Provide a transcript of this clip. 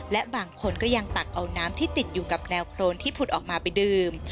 และบางคนก็ยังตักเอาน้ำที่ติดอยู่กับแนวโครนที่ผุดออกมาไปดื่ม